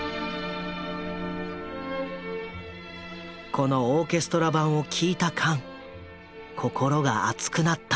このオーケストラ版を聴いたカン心が熱くなった。